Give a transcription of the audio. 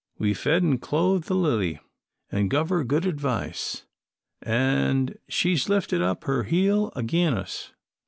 We've fed an' clothed the lily, an' guv her good advice, an' she's lifted up her heel agin us.